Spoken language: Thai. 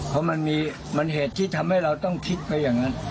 เพราะมันมีเหตุที่ทำให้เราต้องคิดไปอย่างนั้น